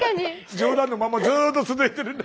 冗談のままずっと続いてるんで。